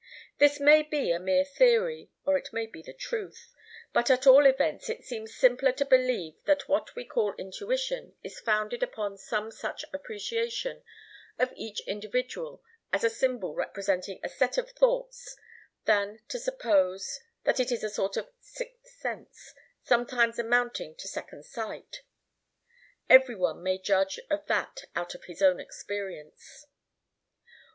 This may be a mere theory, or it may be the truth, but at all events it seems simpler to believe that what we call intuition is founded upon some such appreciation of each individual as a symbol representing a set of thoughts, than to suppose that it is a sort of sixth sense, sometimes amounting to second sight. Every one may judge of that out of his own experience.